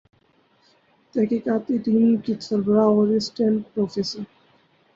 تحقیقی ٹیم کے سربراہ اور اسسٹنٹ پروفیسر